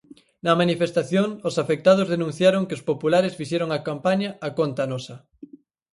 Na manifestación os afectados denunciaron que os populares fixeron a campaña a conta nosa.